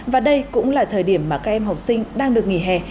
và đây cũng là thời điểm mà các em học sinh đang được nghỉ hè